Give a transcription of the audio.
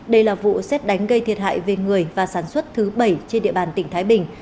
đây là vụ xét đánh gây thiệt hại về người và sản xuất thứ bảy trên địa bàn tỉnh thái bình